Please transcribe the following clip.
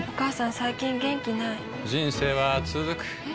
最近元気ない人生はつづくえ？